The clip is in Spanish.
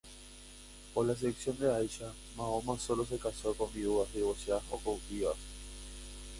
Con la excepción de Aisha, Mahoma sólo se casó con viudas, divorciadas o cautivas.